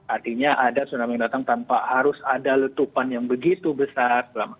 artinya ada tsunami datang tanpa harus ada letupan yang begitu besar